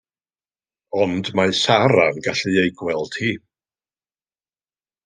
Ond mae Sara'n gallu ei gweld hi.